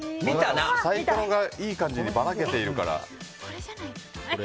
サイコロがいい感じにバラけているから。